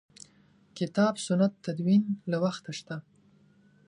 کتاب سنت تدوین له وخته شته.